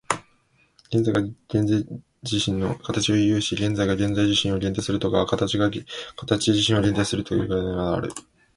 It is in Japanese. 現在が現在自身の形を有し、現在が現在自身を限定するとか、形が形自身を限定するとかいうのである。